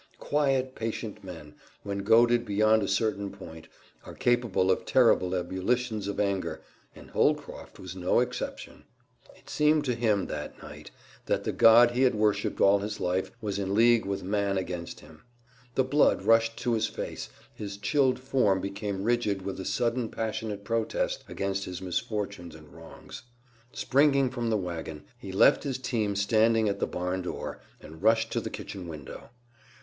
Quiet, patient men, when goaded beyond a certain point, are capable of terrible ebullitions of anger, and Holcroft was no exception. It seemed to him that night that the God he had worshiped all his life was in league with man against him. The blood rushed to his face, his chilled form became rigid with a sudden passionate protest against his misfortunes and wrongs. Springing from the wagon, he left his team standing at the barn door and rushed to the kitchen window.